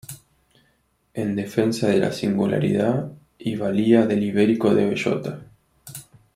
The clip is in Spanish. En defensa de la singularidad y valía del ibérico de bellota